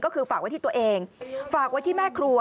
ก็คือฝากไว้ที่ตัวเองฝากไว้ที่แม่ครัว